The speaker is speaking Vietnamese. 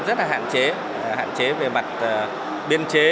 rất là hạn chế hạn chế về mặt biên chế